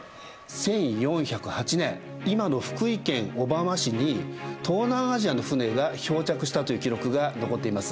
１４０８年今の福井県小浜市に東南アジアの船が漂着したという記録が残っています。